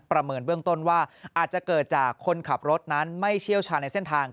เมินเบื้องต้นว่าอาจจะเกิดจากคนขับรถนั้นไม่เชี่ยวชาญในเส้นทาง